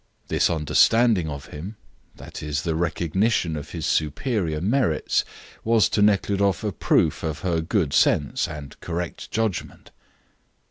This understanding of him, i.e., the recognition of his superior merits, was to Nekhludoff a proof of her good sense and correct judgment.